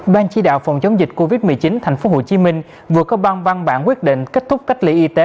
ban chỉ đạo phòng chống dịch covid một mươi chín tp hcm vừa có ban văn bản quyết định kết thúc cách ly y tế